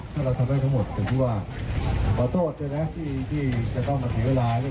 ถ้าเราทำให้ทั้งหมดคือว่าปรอโทษที่จะต้องเก็บเวลา